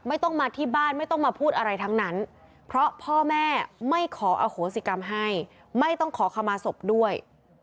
ไม่ต้องมาที่บ้านไม่ต้องมาพูดอะไรทั้งนั้นเพราะพ่อแม่ไม่ขออโหสิกรรมให้ไม่ต้องขอขมาศพด้วย